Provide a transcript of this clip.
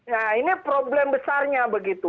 nah ini problem besarnya begitu